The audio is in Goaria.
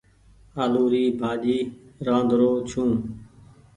آلو ري ڀآڃي رآڌرو ڇون۔